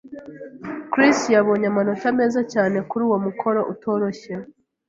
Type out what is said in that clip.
Chris yabonye amanota meza cyane kuri uwo mukoro utoroshye.